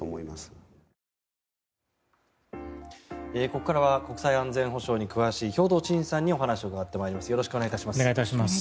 ここからは国際安全保障に詳しい兵頭慎治さんにお伺いします。